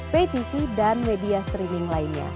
pay tv dan media streaming lainnya